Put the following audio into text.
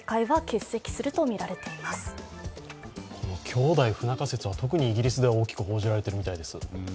兄弟不仲説は特にイギリスでは大きく報じられているみたいです。